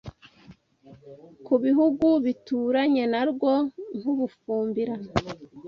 ku bihugu bituranye narwo nk’u Bufumbila